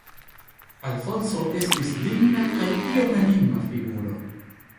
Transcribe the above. Alfonso estis digna kaj iom enigma figuro.